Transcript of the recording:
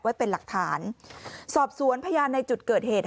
ไว้เป็นหลักฐานสอบสวนพยานในจุดเกิดเหตุ